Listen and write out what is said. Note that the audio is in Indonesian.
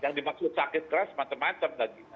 yang dimaksud sakit keras macam macam lagi